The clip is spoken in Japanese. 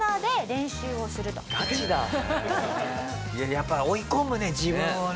やっぱ追い込むね自分をね。